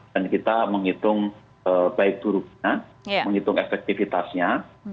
dan kita menghitung baik durunya menghitung efektivitasnya